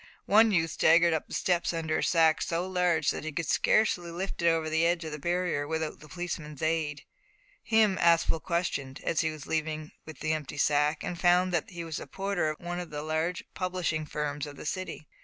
One youth staggered up the steps under a sack so large that he could scarcely lift it over the edge of the barrier without the policeman's aid. Him Aspel questioned, as he was leaving with the empty sack, and found that he was the porter of one of the large publishing firms of the city.